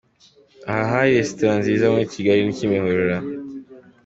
Aha hari resitora nziza muri kigali ni Kimihurura.